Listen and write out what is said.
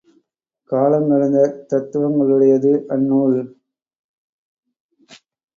காலங்கடந்த தத்துவங்களையுடையது அந்நூல்.